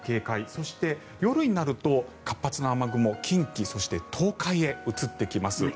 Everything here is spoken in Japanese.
そして、夜になると活発な雨雲近畿、そして東海へ移ってきます。